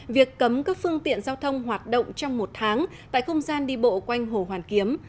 việc cấm các phương tiện giao thông hoạt động trong một tháng tại không gian đi bộ quanh hồ hoàn kiếm